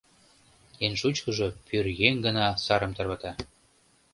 Эн шучкыжо — пӧръеҥ гына сарым тарвата.